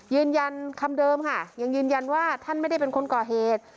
ยืนยันคำเดิมค่ะยังยืนยันว่าท่านไม่ได้เป็นคนก่อเหตุ